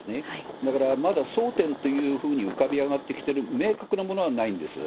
だから、まだ争点というふうに浮かび上がってきている、明確なものはないんです。